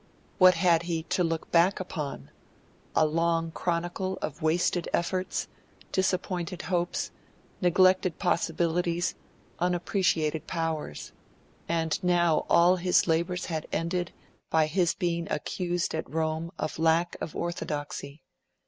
What had he to look back upon? A long chronicle of wasted efforts, disappointed hopes, neglected possibilities, unappreciated powers. And now all his labours had ended by his being accused at Rome of lack of orthodoxy.